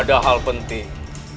ada hal penting